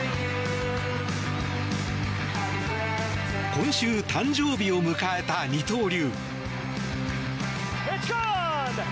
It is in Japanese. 今週誕生日を迎えた二刀流。